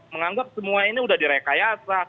menganggap semua ini sudah direkayasa